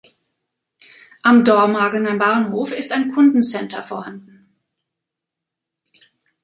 Am Dormagener Bahnhof ist ein Kundencenter vorhanden.